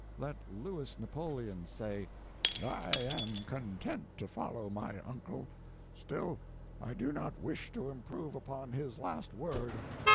Let Louis Napoleon say, "I am content to follow my uncle still, I do not wish to improve upon his last word.